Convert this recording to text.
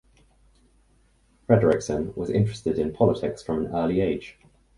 Frederiksen was interested in politics from an early age.